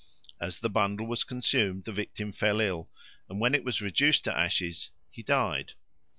As the bundle was consumed, the victim fell ill, and when it was reduced to ashes, he died.